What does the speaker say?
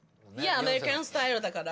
アメリカンスタイルだから。